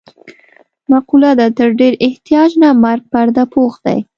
مقوله ده: تر ډېر احتیاج نه مرګ پرده پوښ دی.